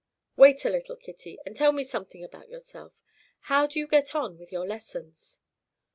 "Wait a little, Kitty, and tell me something about yourself. How do you get on with your lessons?"